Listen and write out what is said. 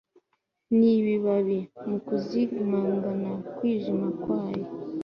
nibibabi, mukuzimangana, kwijima kwayo